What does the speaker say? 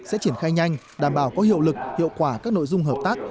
sẽ triển khai nhanh đảm bảo có hiệu lực hiệu quả các nội dung hợp tác